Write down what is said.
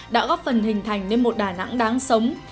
đã góp phần hình thành nên một đà nẵng đáng sống